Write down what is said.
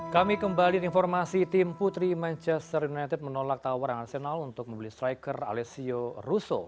kami kembali dengan informasi tim putri manchester united menolak tawaran arsenal untuk membeli striker alesio russo